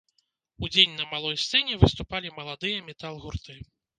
Удзень на малой сцэне выступалі маладыя метал-гурты.